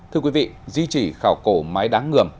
thưa quý vị di trì khảo cổ mái đáng ngườm